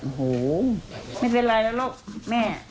โอ้โหไม่เป็นไรแล้วลูกแม่